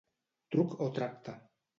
Truc o tracte.